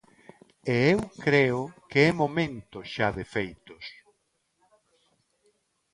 E eu creo que é momento xa de feitos.